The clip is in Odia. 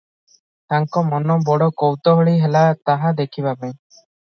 ତାଙ୍କ ମନ ବଡ଼ କୌତୂହଳୀ ହେଲା ତାହା ଦେଖିବାପାଇଁ ।